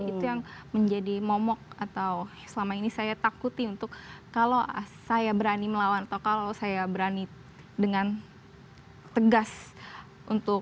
itu yang menjadi momok atau selama ini saya takuti untuk kalau saya berani melawan atau kalau saya berani dengan tegas untuk